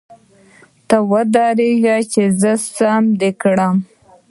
ته ودرېږه چي ! سم دي کړم .